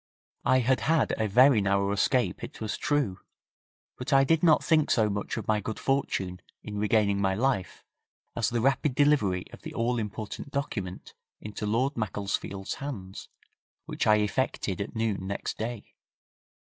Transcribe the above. I had had a very narrow escape it was true, but I did not think so much of my good fortune in regaining my life as the rapid delivery of the all important document into Lord Macclesfield's hands, which I effected at noon next day.